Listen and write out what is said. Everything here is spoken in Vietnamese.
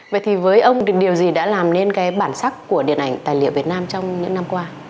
vậy thì với ông thì điều gì đã làm nên cái bản sắc của điện ảnh tài liệu việt nam trong những năm qua